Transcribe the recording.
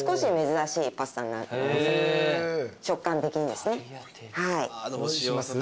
食感的にですね。